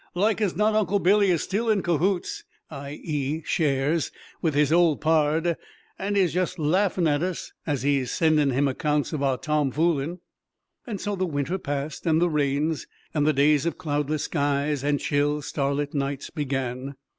"Like as not, Uncle Billy is still in 'cahoots' (i.e., shares) with his old pard, and is just laughin' at us as he's sendin' him accounts of our tomfoolin'." And so the winter passed and the rains, and the days of cloudless skies and chill starlit nights began.